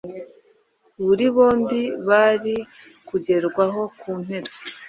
Buri bombi bari kugerwaho ku mpera